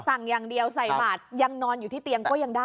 สั่งอย่างเดียวใส่หมาดยังนอนอยู่ที่เตียงก็ยังได้